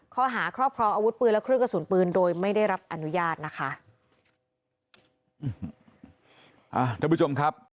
ข้อหาครอบครองอาวุธปืนและเครื่องกระสุนปืนโดยไม่ได้รับอนุญาตนะคะ